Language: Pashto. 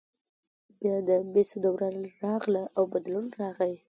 بیا د مسو دوره راغله او بدلون راغی.